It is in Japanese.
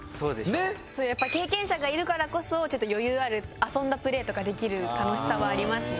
やっぱり経験者がいるからこそちょっと余裕ある遊んだプレーとかできる楽しさはありますね。